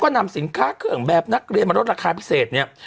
นำสินค้าเครื่องแบบนักเรียนมาลดราคาพิเศษเนี่ย